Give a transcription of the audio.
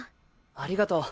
ありがとう。